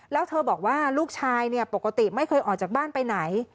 แล้วเธอบอกว่าลูกชายปกติไม่เคยออกจากบ้านไปไหน